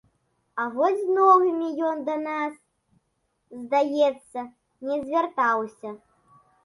А вось з новымі ён да нас, здаецца, не звяртаўся.